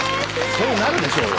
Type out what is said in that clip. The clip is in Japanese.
そうなるでしょうよ。